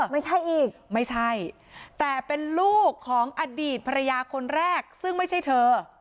ไม่ใช่อีกไม่ใช่แต่เป็นลูกของอดีตภรรยาคนแรกซึ่งไม่ใช่เธอ